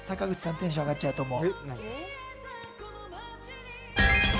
テンション上がっちゃうと思う。